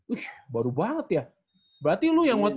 uish baru banget ya berarti lo yang waktu